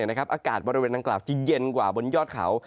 อากาศบริเวณดังกล่าวจะเย็นกว่าบนยอดเขา